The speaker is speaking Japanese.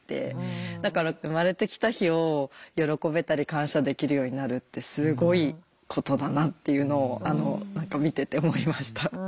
だから生まれてきた日を喜べたり感謝できるようになるってすごいことだなっていうのを何か見てて思いました。